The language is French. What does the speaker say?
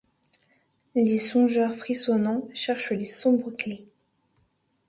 Les songeurs frissonnants cherchent les sombres clefs